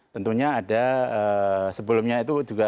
tentunya ada sebelumnya itu juga